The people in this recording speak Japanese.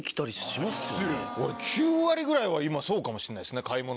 ９割ぐらいは今そうかもしれないですね買い物の。